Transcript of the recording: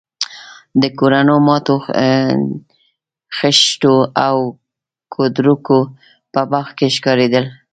د کورونو ماتو خښتو او کودرکو په باغ کې ښکارېدل.